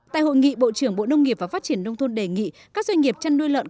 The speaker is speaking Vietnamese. tại hội nghị bộ trưởng bộ nông nghiệp và phát triển nông thôn đề nghị các doanh nghiệp chăn nuôi lợn